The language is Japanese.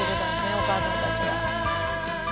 お母さんたちは。